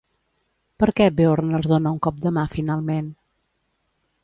Per què Beorn els dona un cop de mà finalment?